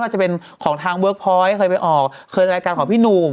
จะเป็นของทางเวิร์คพอยต์เคยไปออกเคยในรายการของพี่หนุ่ม